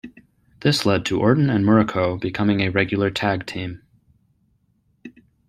This led to Orton and Muraco becoming a regular tag team.